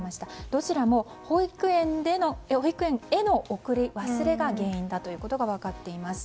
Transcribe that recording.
どちらも保育園への送り忘れが原因だということが分かっています。